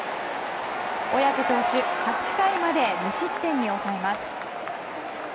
小宅投手、８回まで無失点に抑えます。